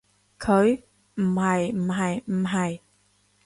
佢？唔係唔係唔係